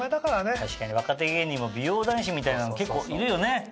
確かに若手芸人も美容男子みたいなの結構いるよね。